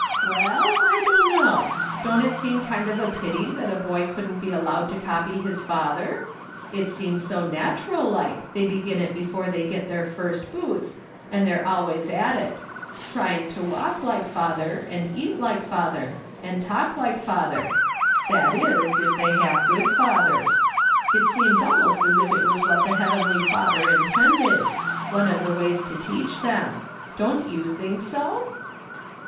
" Well, I dunno. Don't it seem a kind of a pity tliat a boy couldn't be allowed to copy his father ? It seems so natural like, they begin it before they get "SOME TlimcS IS QUEER." 57 their first boots, and they're always at it ; trying to walk like father, and eat like father, and talk like father ; that is, if they have good fathers. It seems almost as if it was what the Heavenly Father in tended — one of the ways to teach them. Don't you think so